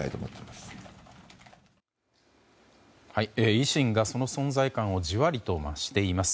維新がその存在感をじわりと増しています。